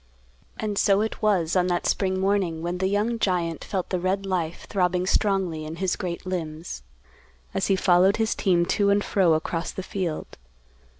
And so it was, on that spring morning when the young giant felt the red life throbbing strongly in his great limbs, as he followed his team to and fro across the field.